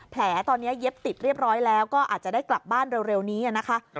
แผลตอนนี้เย็บติดเรียบร้อยแล้วก็อาจจะได้กลับบ้านเร็วนี้นะคะ